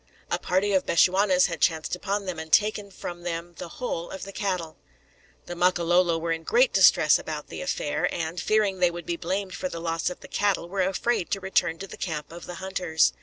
A party of Bechuanas had chanced upon them, and taken from them the whole of the cattle! The Makololo were in great distress about the affair, and, fearing they would be blamed for the loss of the cattle, were afraid to return to the camp of the hunters.